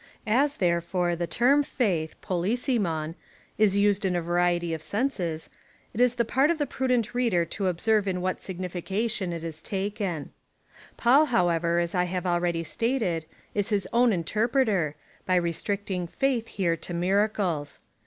As, therefore, the term faith is {TToXija rj/jLov) used in a variety of senses, it is the part of the prudent reader to observe in what signification it is taken. Paul, however, as I have already stated, is his own inter preter, by restricting faith, here, to miracles.